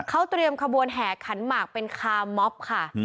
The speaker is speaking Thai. เขาเตรียมขบวนแห่ขันหมากเป็นคาม็อบค่ะ